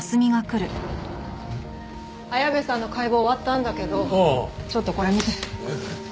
綾部さんの解剖終わったんだけどちょっとこれ見て。